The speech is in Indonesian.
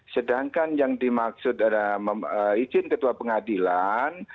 sedangkan yang dimaksud adalah izin ketua pengadilan